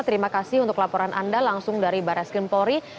terima kasih untuk laporan anda langsung dari barat eskrim polri